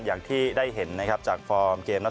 อย่างที่ได้เห็นจากฟอร์มเกม